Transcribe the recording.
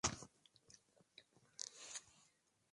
Se sabe que tienen efectos psicoactivos.